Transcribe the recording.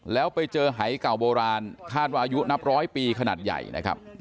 แล้วไปเจอหายเก่าโบราณคาดว่าอายุนับร้อยปีขนาดใหญ่นะครับ